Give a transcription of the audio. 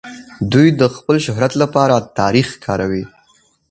دوی د خپل شهرت لپاره تاريخ کاروي.